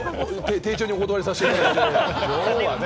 丁重にお断りさせていただいて。